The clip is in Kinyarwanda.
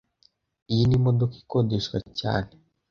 Iyi ni imodoka ikodeshwa cyane